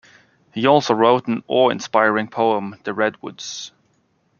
He also wrote an awe-inspiring poem "The Redwoods".